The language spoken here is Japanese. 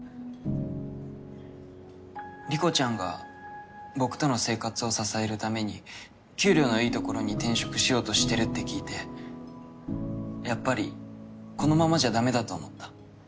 莉子ちゃんが僕との生活を支えるために給料のいいところに転職しようとしてるって聞いてやっぱりこのままじゃだめだと思った。